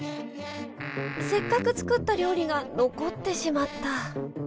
せっかく作った料理が残ってしまった。